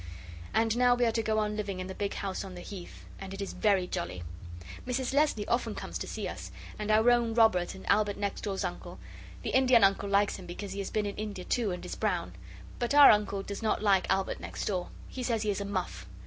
And now we are to go on living in the big house on the Heath, and it is very jolly. Mrs Leslie often comes to see us, and our own Robber and Albert next door's uncle. The Indian Uncle likes him because he has been in India too and is brown; but our Uncle does not like Albert next door. He says he is a muff.